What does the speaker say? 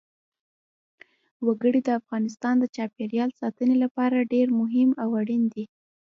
وګړي د افغانستان د چاپیریال ساتنې لپاره ډېر مهم او اړین دي.